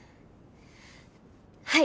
はい。